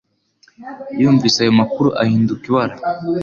Yumvise ayo makuru ahinduka ibara